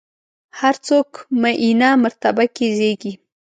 هر څوک معینه مرتبه کې زېږي.